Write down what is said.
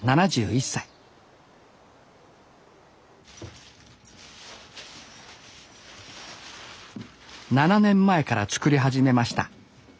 ７１歳７年前から作り始めました。